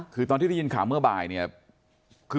คือตอนที่ได้ยินข่าวเมื่อบ่ายเนี่ย